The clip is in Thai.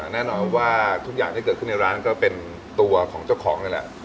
แน่นอนว่าทุกอย่างที่เกิดขึ้นในร้านก็เป็นตัวของเจ้าของนั่นแหละ